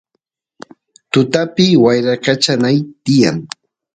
tutapi wyrakachanay tiyan